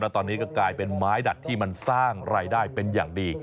ตอนนี้ก็กลายเป็นไม้ดัดที่มันสร้างรายได้เป็นอย่างดี